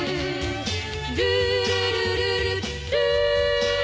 「ルールルルルルー」